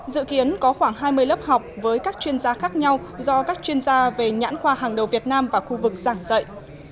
dự kiến có khoảng hai mươi lớp học với các chuyên gia khác nhau do các chuyên gia về nhãn khoa hàng đầu việt nam và khu vực giảng dạy